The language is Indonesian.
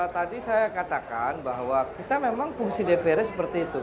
tadi saya katakan bahwa kita memang fungsi dpr nya seperti itu